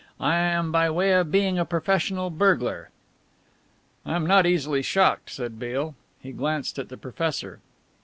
I am by way of being a professional burglar." "I am not easily shocked," said Beale. He glanced at the professor.